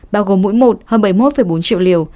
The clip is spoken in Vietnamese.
bao gồm mỗi một hơn bảy mươi một bốn triệu liều